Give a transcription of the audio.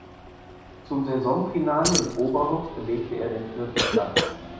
Zum Saisonfinale in Oberhof belegte er den vierten Platz.